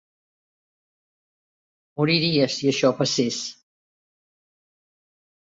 Moriria si això passés.